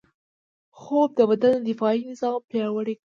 خوب د بدن دفاعي نظام پیاوړی کوي